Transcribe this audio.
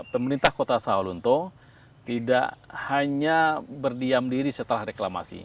pemerintah kota sawalunto tidak hanya berdiam diri setelah reklamasi